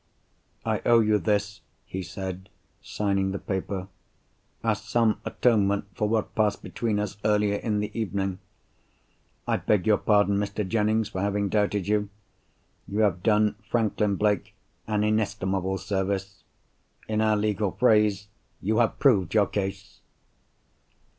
"I owe you this," he said, signing the paper, "as some atonement for what passed between us earlier in the evening. I beg your pardon, Mr. Jennings, for having doubted you. You have done Franklin Blake an inestimable service. In our legal phrase, you have proved your case."